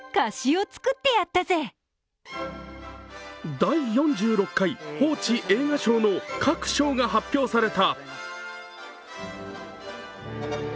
第４６回報知映画賞の各賞が発表された。